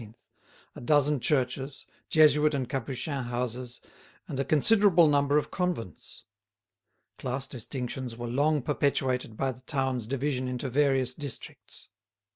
a dozen churches, Jesuit and Capuchin houses, and a considerable number of convents. Class distinctions were long perpetuated by the town's division into various districts.